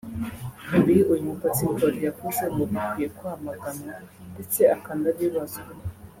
Ibi uyu mupasitori yavuze ngo bikwiye kwamaganwa ndetse akanabibazwa